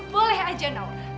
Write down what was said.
boleh aja naura